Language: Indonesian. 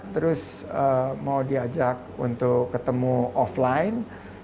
terus mau diajak untuk ketemu offline